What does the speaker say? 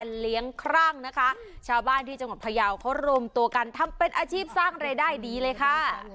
ที่จะเลี้ยงครั่งนะคะชาวบ้านจังหวัดพยาวเขารวมตัวกันมีอาชีพสร้างเรด้านใดดีเลยค่ะ